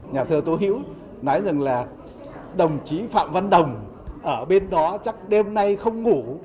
nhà thơ tôi hiểu nói rằng là đồng chí phạm văn đồng ở bên đó chắc đêm nay không ngủ